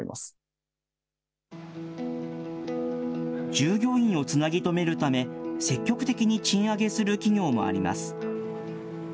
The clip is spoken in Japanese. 従業員をつなぎとめるため、積極的に賃上げする企業もあります。